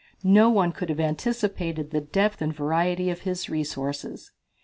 No one could have anticipated the depth and variety of his resources.